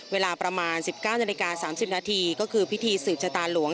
เวลาประมาณ๑๙น๓๐นก็คือพิธีสืบชะตาหลวง